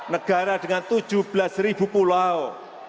negara dengan tujuh belas pulau